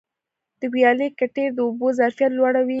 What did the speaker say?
د ویالي کټېر د اوبو ظرفیت لوړوي.